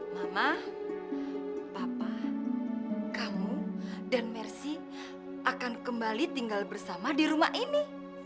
mama papa kamu dan mersi akan kembali tinggal bersama di rumah ini